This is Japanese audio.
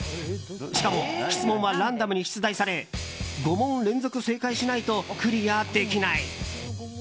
しかも、質問はランダムに出題され５問連続で正解しないとクリアできない。